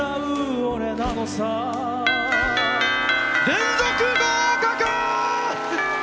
連続合格だ！